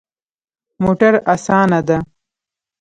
موټر اسانه ده